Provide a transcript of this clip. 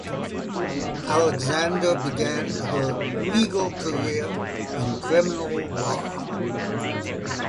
Alexander began her legal career in criminal law.